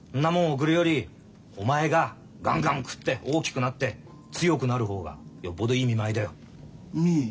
送るよりお前がガンガン食って大きくなって強くなる方がよっぽどいい見舞いだよ。